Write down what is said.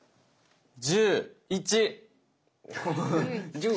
１１。